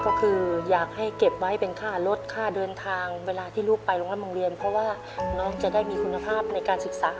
ก็คืออยากให้เก็บไว้เป็นค่ารถค่าเดินทางเวลาที่ลูกไปโรงเรียนเพราะว่าน้องจะได้มีคุณภาพในการศึกษา